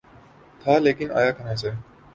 تھا‘ لیکن آیا کہاں سے؟